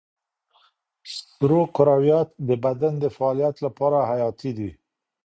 سرو کرویات د بدن د فعالیت لپاره حیاتي دي.